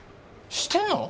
してんの！？